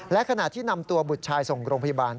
และขณะที่นำตัวบุตรชายส่งโรงพยาบาล